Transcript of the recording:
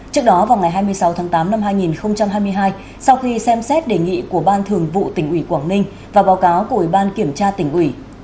trước đó vào ngày hai mươi sáu tháng tám năm hai nghìn hai mươi hai sau khi xem xét đề nghị của ban thường vụ tỉnh ủy quảng ninh và báo cáo của ủy ban kiểm tra tỉnh ủy